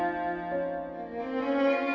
aku mau kemana